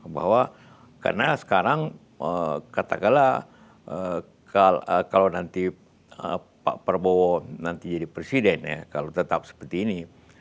bahwa karena sekarang katakanlah kalau nanti pak prabowo nanti jadi presiden ya kalau tetap seperti ini